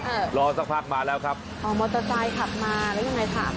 เออรอสักพักมาแล้วครับอ๋อมอเตอร์ไซค์ขับมาหรือยังไงครับ